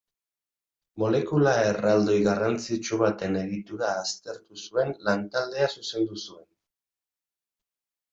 Molekula erraldoi garrantzitsu baten egitura aztertu zuen lantaldea zuzendu zuen.